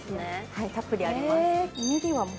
はいたっぷりあります